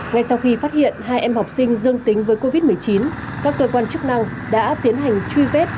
ngay sau khi phát hiện hai em học sinh dương tính với covid một mươi chín các cơ quan chức năng đã tiến hành truy vết